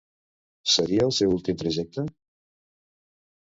Seria el seu últim trajecte?